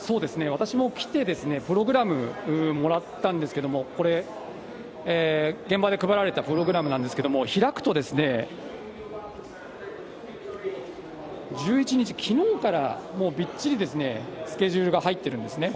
私も来て、プログラムもらったんですけれども、これ、現場で配られたプログラムなんですけれども、開くと、１１日、きのうからもうびっちりスケジュールが入ってるんですね。